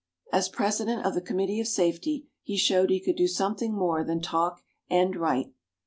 As president of the Committee of Safety he showed he could do something more than talk and write.